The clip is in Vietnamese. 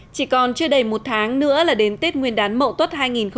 chỉ còn chưa đầy một tháng nữa là đến tết nguyên đán mậu tuất hai nghìn một mươi tám